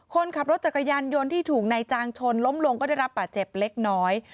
คนขับรถจักรยานยนต์ที่ถูกนายจางชนล้มลงก็ได้รับป่าเจ็บเล็กน้อย